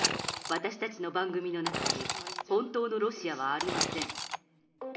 私たちの番組の中に、本当のロシアはありません。